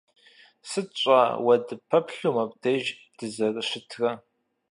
Сыт щӀа уэ дыппэплъэу мобдеж дызэрыщытрэ.